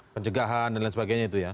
pencegahan dan lain sebagainya itu ya